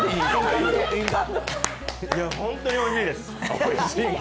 本当においしいです。